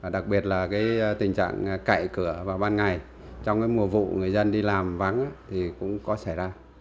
đặc biệt là tình trạng cậy cửa vào ban ngày trong mùa vụ người dân đi làm vắng thì cũng có xảy ra